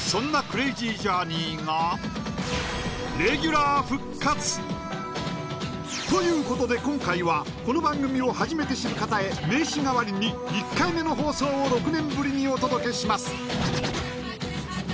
クレイジージャーニーがレギュラー復活ということで今回はこの番組を初めて知る方へ名刺代わりに１回目の放送を６年ぶりにお届けします